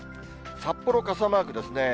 札幌、傘マークですね。